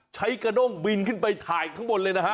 กระด้งบินขึ้นไปถ่ายข้างบนเลยนะฮะ